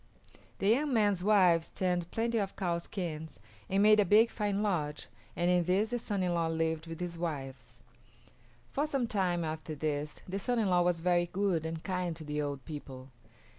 The young man's wives tanned plenty of cow skins and made a big fine lodge, and in this the son in law lived with his wives. For some time after this the son in law was very good and kind to the old people.